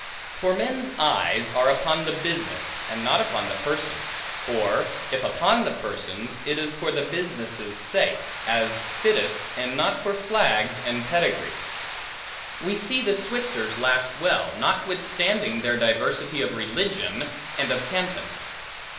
For men's eyes are upon the business, and not upon the persons; or if upon the persons, it is for the business' sake, as fittest, and not for flags and pedigree. We see the Switzers last well, notwithstanding their diversity of religion, and of cantons.